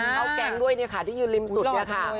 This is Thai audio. เขาแกล้งด้วยได้ค่ะที่ยืนริมตุด